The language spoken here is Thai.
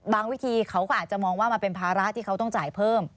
วิธีเขาก็อาจจะมองว่ามันเป็นภาระที่เขาต้องจ่ายเพิ่ม